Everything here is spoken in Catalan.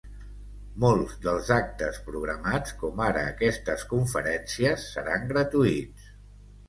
Molts dels actes programats, com ara aquestes conferències, seran gratuïts.